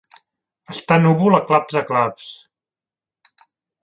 Està núvol a claps a claps.